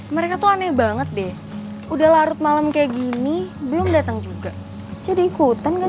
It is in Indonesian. mereka tuh aneh banget deh udah larut malam kayak gini belum datang juga jadi ikutan kan